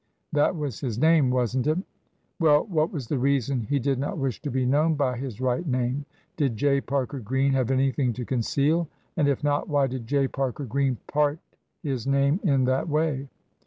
... That was his name, was nt it? ... Well, what was the reason he did not wish to be known by his right name? ... Did J. Parker Green have anything to conceal; and if not, why did J. Parker Green part his name in that way?